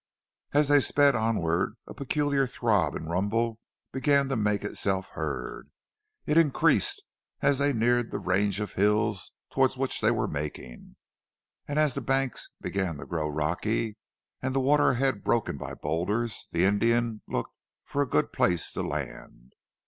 As they sped onward a peculiar throb and rumble began to make itself heard. It increased as they neared the range of hills towards which they were making, and as the banks began to grow rocky, and the water ahead broken by boulders, the Indian looked for a good place to land.